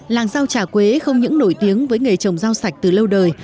làng rau trà quế không những nổi tiếng với nghề trồng rau sạch từ lâu đời